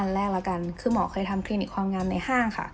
แรกแล้วกันคือหมอเคยทำคลินิกความงามในห้างค่ะ